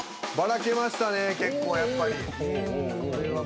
ばらけましたね結構やっぱり。